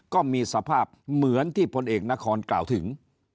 ก็มีสภาพเหมือนที่พลเอกนครกล่าวถึง